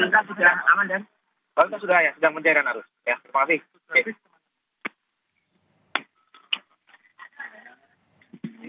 dan posisi lalu itu sudah aman dan